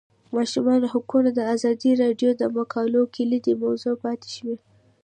د ماشومانو حقونه د ازادي راډیو د مقالو کلیدي موضوع پاتې شوی.